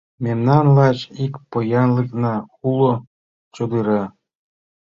Мемнан лач ик поянлыкна уло: чодыра.